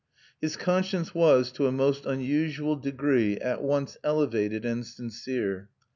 His conscience was, to a most unusual degree, at once elevated and sincere.